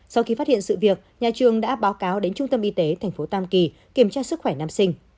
sau khi phát hiện sự việc nhà trường đã báo cáo đến trung tâm y tế tp tam kỳ kiểm tra sức khỏe nam sinh